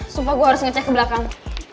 supaya gue harus ngecek ke belakang